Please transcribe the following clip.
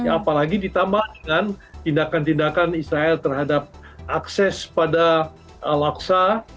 apalagi ditambah dengan tindakan tindakan israel terhadap akses pada al aqsa